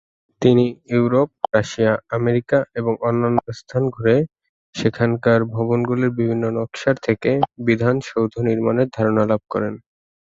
তিনি Europe, Russia, America এবং অন্যান্য স্থান ঘুরে স সেখানকার ভবনগুলির বিভিন্ন নকশার থেকে বিধান সৌধ নির্মাণের ধারণা লাভ করেন।